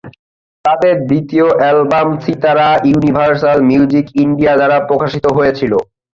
তাদের দ্বিতীয় album Sitara Universal Music India দ্বারা প্রকাশিত হয়েছিল।